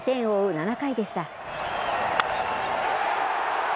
７回でした。